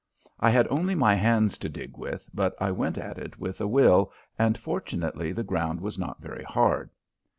I had only my hands to dig with, but I went at it with a will, and fortunately the ground was not very hard.